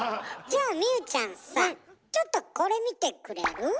じゃあ望結ちゃんさちょっとこれ見てくれる？